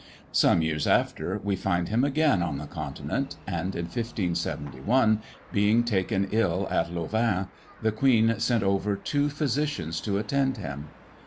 Some years after, we find him again on the Continent; and in 1571, being taken ill at Louvaine, the queen sent over two physicians to attend him.